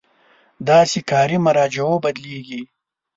داسې کاري مراجعو بدلېږي.